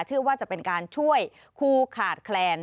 เชื่อว่าจะเป็นการช่วยครูขาดแคลน